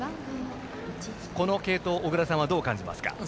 この継投、小倉さんはどう感じますか。